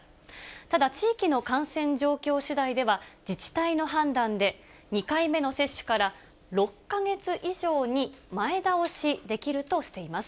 ただ地域の感染状況しだいでは、自治体の判断で２回目の接種から６か月以上に前倒しできるとしています。